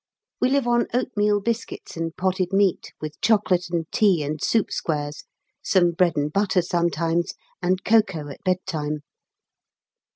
We live on oatmeal biscuits and potted meat, with chocolate and tea and soup squares, some bread and butter sometimes, and cocoa at bed time.